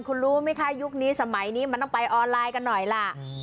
คุณรู้ไหมคะยุคนี้สมัยนี้มันต้องไปออนไลน์กันหน่อยล่ะ